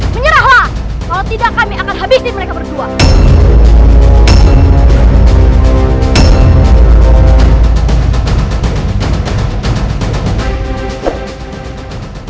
menyerahlah kalau tidak kami akan habisin mereka berdua